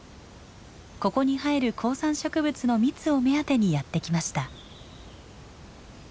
ここに生える高山植物の蜜を目当てにやって来ました。